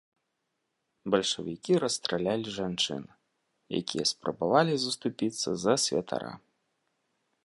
Бальшавікі расстралялі жанчын, якія спрабавалі заступіцца за святара.